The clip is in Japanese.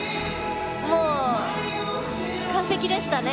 もう完璧でしたね。